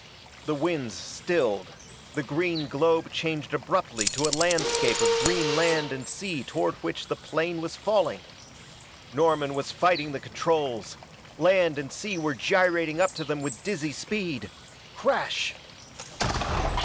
The winds stilled; the green globe changed abruptly to a landscape of green land and sea toward which the plane was falling! Norman was fighting the controls land and sea were gyrating up to them with dizzy speed crash!